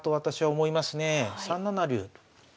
３七竜。